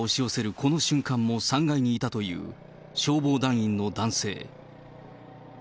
この瞬間も３階にいたという消防団員の男性。